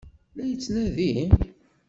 La tt-yettnadi?